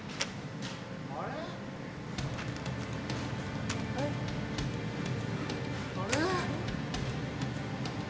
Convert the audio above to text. あれ？あれ？